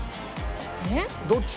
えっ？どっち？